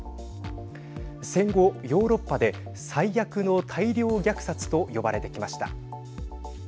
戦後、ヨーロッパで最悪の大量虐殺と呼ばれてきました。